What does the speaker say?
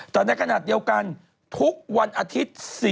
แต่ในขณะเดียวกันทุกวันอาทิตย์